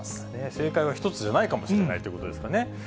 正解は一つじゃないかもしれないということですかね。